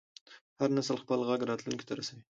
هر نسل خپل غږ راتلونکي ته رسوي.